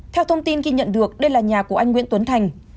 theo thông tin ghi nhận được đây là nhà của anh nguyễn tuấn thành